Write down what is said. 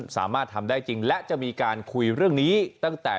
สามารถทำได้จริงและจะมีการคุยเรื่องนี้ตั้งแต่